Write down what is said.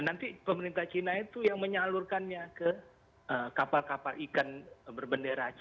nanti pemerintah cina itu yang menyalurkannya ke kapal kapalnya